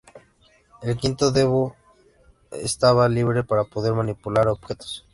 El quinto dedo estaba libre para poder manipular objetos.